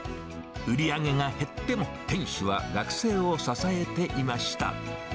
売り上げが減っても、店主は学生を支えていました。